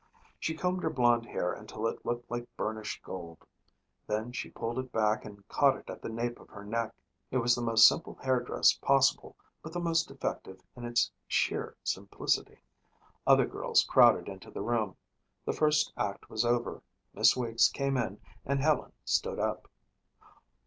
She combed her blond hair until it looked like burnished gold. Then she pulled it back and caught it at the nape of her neck. It was the most simple hair dress possible but the most effective in its sheer simplicity. Other girls crowded into the room. The first act was over. Miss Weeks came in and Helen stood up.